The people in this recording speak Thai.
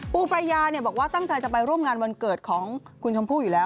ปรายยาบอกว่าตั้งใจจะไปร่วมงานวันเกิดของคุณชมพู่อยู่แล้ว